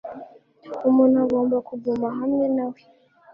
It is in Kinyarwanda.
umuntu agomba kuguma hamwe nawe